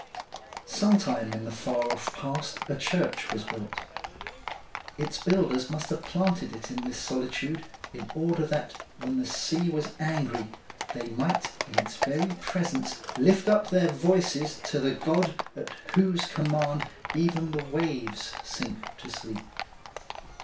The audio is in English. Sometime in the far off past a church was built. Its builders must have planted it in this solitude in order that when the sea was angry they might in its very presence lift up their voices to the God atjWhose command even the waves sink to sleep.